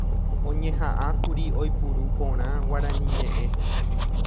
oñeha'ãkuri oipuru porã Guarani ñe'ẽ